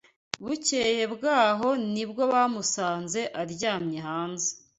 Bukeye bwaho nibwo bamusanze aryamye hanze